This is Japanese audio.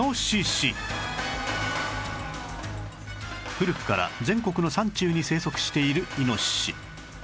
古くから全国の山中に生息しているイノシシ